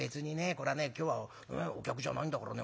これはね今日はお客じゃないんだからね